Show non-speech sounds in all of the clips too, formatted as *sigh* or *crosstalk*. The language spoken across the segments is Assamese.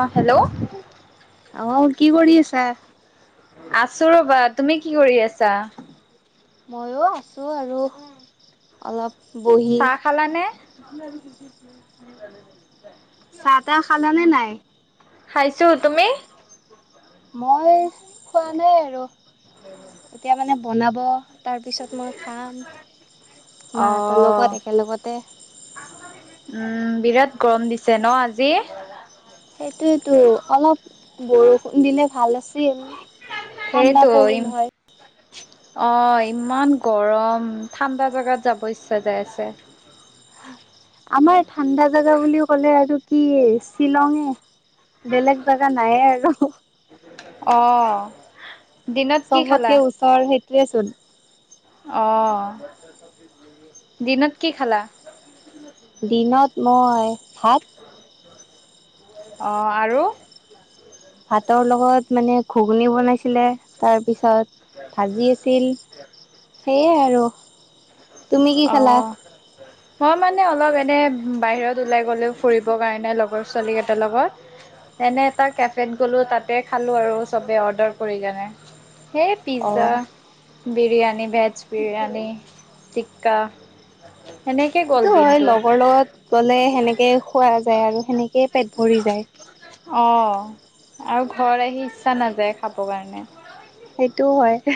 অ হেল্ল'। অ কি কৰি আছা? আছো ৰ'বা তুমি কি কৰি আছা? মইয়ো আছোঁ আৰু অলপ বহি। চাহ খালা নে। চাহ তাহ খালানে নাই। খাইছোঁ তুমি? মই নাই আৰু মানে বনাব। তাৰপিছত মই খাম অ মাহঁতৰ লগত একেলগতে। উম বিৰাট গৰম দিছে ন আজি। সেইটোৱে টো অলপ। বৰষুণ দিলে ভাল আছিল ঠাণ্ডা সেইটো ইম পৰিল হয়। অ ইমান গৰম ঠাণ্ডা জেগাত যাব ইচ্ছা যাই আছে। আমাৰ ঠাণ্ডা জেগা বুলিও ক'লে আৰু। কি শ্বিলঙ বেলেগ জেগা নায়ে আৰু ওহো। অঁ। চবতকে ওচৰ সিটোয়ে চোন। অহ দিনত কি খালা। দিনত মই ভাত। অঁ আৰু। ভাতৰ লগত মানে। ঘুগুনি বনাইছিলে তাৰপিছত ভাজি আছিল। সেইয়াই আৰু। তুমি কি খালা অহ। মই মানে অলপ এনে বাহিৰত ওলাই গ'লো ফুৰিব কাৰণে লগৰ ছোৱালী কেইটাৰ লগত। তেনে এটা কেফেত গ'লো তাতে খালো আৰু ছবে অৰ্ডাৰ কৰি কিনে। সেই অ পিজা বিৰিয়ানী ভেজ বিৰিয়ানী টিক্কা। সেনেকে গ'ল এইটো হয় দিনটো লগৰ লগত গ'লে সেনেকেই খোৱা যায় আৰু সেনেকেই পেট ভৰি যায়। অ আৰু ঘৰত আহি ইচ্ছা নাযায় খাবৰ কাৰণে। সেইটোও হয় এহে।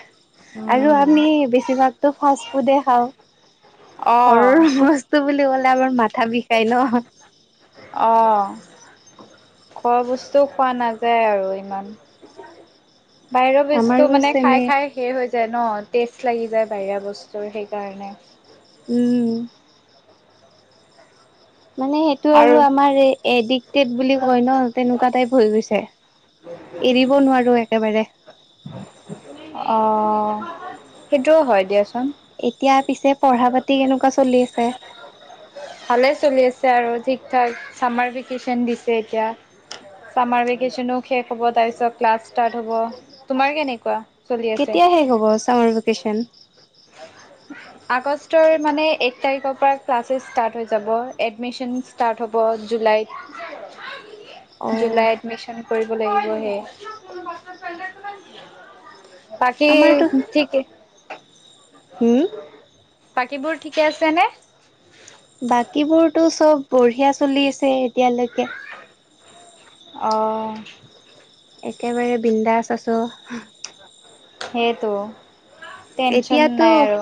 আৰু উম। আমি বেছিভাগতো ফাষ্ট ফুডে খাওঁ অ', ঘৰৰ বস্তু। বস্তু বুলি কলে আমাৰ মাথা বিষাই ন। অঁ। ঘৰৰ বস্তুও খোৱা নাযায় আৰু ইমান। বাহিৰৰ বস্তু আমাৰো মানে খাই চেমে খাই। শে হৈ যায় ন টেষ্ট লাগি যায় বাহিৰা বস্তুৰ সেইকাৰণে। উম। মানে সেইটো আৰু আমাৰ এডিকটেড বুলি কয় ন তেনেকুৱা টাইপ হৈ গৈছে। এৰিব নোৱাৰোঁ একেবাৰে। অ সেইটোও হয় দিয়াচোন। এতিয়া পিছে পঢ়া পাতি কেনেকুৱা চলি আছে? ভালে চলি আছে আৰু ঠিক ঠাক, চামাৰ ভেকেশচন দিছে এতিয়া। চামাৰ ভেকেশচনো শেষ হব তাৰপিছত ক্লাচ ষ্টাৰ্ট হব। তোমাৰ কেনেকুৱা? চলি আছে? কেতিয়া শেষ হ'ব চামাৰ ভেকেশ্যন? আগষ্টৰ মানে এক তাৰিখৰ পৰা ক্লাছেচ ষ্টাৰ্ট হৈ যাব, এডমিশ্যনচ ষ্টাৰ্ট হ'ব জুলাইত। *inaudible* অ জুলাইত মিশ্যন কৰিব লাগিব হে *unintelligible* বাকী আমাৰতো ঠিকে হুম বাকীবোৰ ঠিকে আছে নে? বাকীবোৰতো চব বঢ়িয়া চলি আছে এতিয়ালৈকে। অহ। একেবাৰে বিন্দাছ আছোঁ। সেইটো। টেনচন এতিয়াটো নাই আৰু।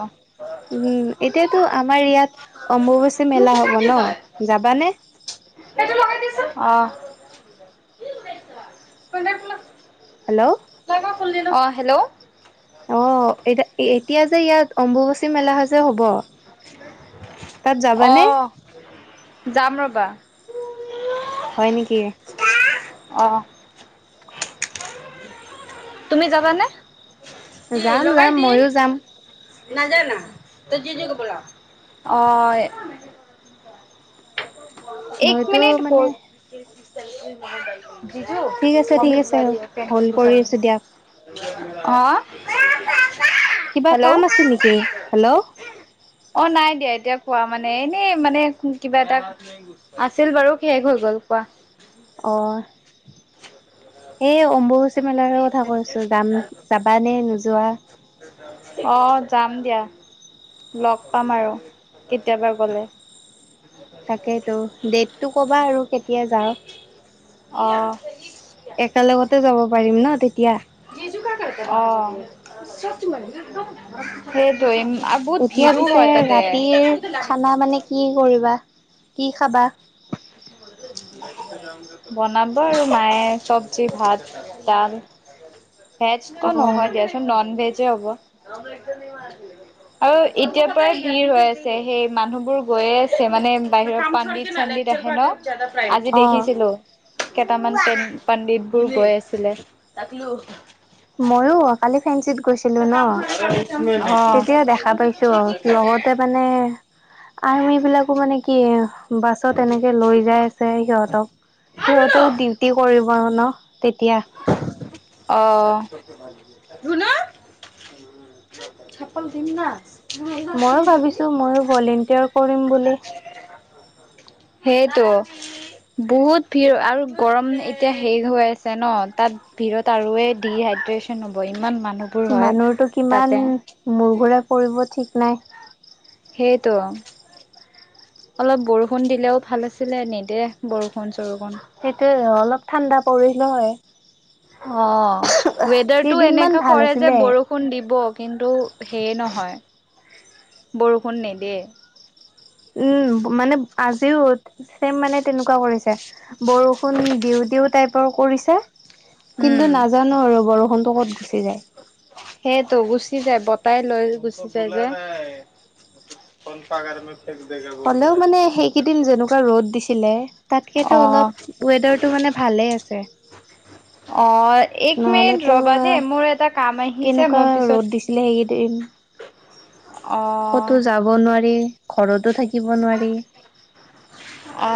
উম, এতিয়াতো আমাৰ ইয়াত অম্বুবাচী মেলা হ'ব ন' যাবানে? সেইটো লগাই দিয়াচোন অহ'। *unintelligible* হেল্ল? তই আকৌ খুললি নহ? অঁ হেল্ল। অঁ, এতিয়া এতিয়া যে ইয়াত অম্বুবাচী মেলা হৈছে হ'ব। তাত যাবানে? অঁ, যাম ৰ'বা। হয় নিকি? অহ। তুমি যাবানে? কি যাম লগাই যাম দি ময়ো যাম। নাজানা ত' দিদিক বুলাওঁ অ এ এক মইতো মিনিট প'ৰ মানে *unintelligible* জিজু ঠিক আছে ঠিক মমী আছে বুলা ৰহী হে হ'ল্ড কৰি আছোঁ দিয়া *unintelligible* অ' *unintelligible* পাপা কিবা কাম আছে নেকি? হেল্ল। অঁ নাই দিয়া এতিয়া কোৱা মানে এনেই মানে কো কিবা এটা আছিল বাৰু শেষ হৈ গ'ল কোৱা। অহ সেই অম্বুবাচী মেলাৰ কথা কৈছোঁ, যাম যাবা নে নোযোৱা? অ যাম দিয়া, লগ পাম আৰু কেতিয়াবা গ'লে। তাকেইতো ডেটটো ক'বা আৰু কেতিয়া যাওঁ। অ। একে লগতে যাব পাৰিম ন' তেতিয়া। *unintelligible* অ' *unintelligible* সেইটোৱে উম আৰু বহুত এতিয়া ভিৰো পিছে হয় ৰাতিৰ তাতে। খানা *unintelligible* মানে কি কৰিবা? কি খাবা? বনাব আৰু মায়ে চব্জি, ভাত, দাল। ভেজটো অ নহয় দিয়াচোন নন ভেজে হ'ব। *unintelligible* *inaudible* আৰু এতিয়াৰ পৰাই হিৰ হৈ আছে সেই মানুহবোৰ গৈয়ে আছে, মানে বাহিৰত পাণ্ডিত চাণ্ডিত আহে ন। যাদৱ পায়েং আজি অ দেখিছিলো। কেটামান পেট পাণ্ডিত বোৰ গৈ আছিলে। ময়ো কালি ফেঞ্চিত গৈ ছিলোঁ ন, তেতিয়া দেখা পাইছোঁ, লগতে মা নে, আৰ্মি বিলাকো মানে কি অঁ বাছত এনেকে লৈ যাই আছে সিহঁতক, অ। সিহঁতেও ডিউটি কৰিব ন'। তেতিয়া অঁ ধুনু *inaudible* ময়ো ভাবিছোঁ ময়ো ভলেণ্টিয়াৰ কৰিম বুলি। সেইটোয়ে বহুত ভিৰ আৰু গৰম এতিয়া শেষ হৈ আছে ন। তাত ভিৰত আৰুয়ে ডিহাইড্ৰেচন হ'ব। ইমান মানুহ মানুহটো কিমান মোৰ ঘূৰাই পৰিব ঠিক নাই। সেইটো অলপ বৰষুণ দিলেও ভাল আছিলে, নিদে বৰষুন চৰষুণ। সেইটোয়ে অলপ ঠাণ্ডা পৰিলো হয়। অলো ৱেডাৰটো কেইদিনমান এনেকা ভাল কৰে যে আছিলে। বৰ বৰষুণ দিব, কিন্তু সেই নহয় বৰষুণ নিদিয়ে। উম মানে আজিও ছেম মানে তেনেকুৱা কৰিছে। বৰষুণ দিওঁ দিওঁ টাইপৰ কৰিছে। উম, কিন্তু নাজানো আৰু বৰষুণটো ক'ত গুচি যায়। সেইটো গুচি যায় বতাই লৈ গুচি যায় যে। হ'লেও মানে সেইকেইদিন যেনেকুৱা ৰ'দ দিছিলে, অ তাতকেতো অলপ ৱেডাৰটো মানে ভালেই আছে। অ এক মিনিট নহ'লেতো, ৰ'বা দেই মোৰ এটা কাম আহিছে মই কেনেকুৱা পিছত ৰ'দ দিছিলে সেইকেদিন। অ ক'তো যাব নোৱাৰি, ঘৰটো থাকিব নোৱাৰি। অ।